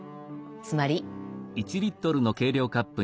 つまり。